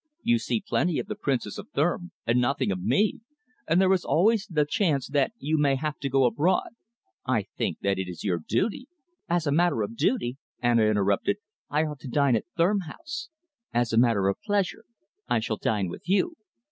"You see plenty of the Princess of Thurm and nothing of me, and there is always the chance that you may have to go abroad. I think that it is your duty " "As a matter of duty," Anna interrupted, "I ought to dine at Thurm House. As a matter of pleasure, I shall dine with you.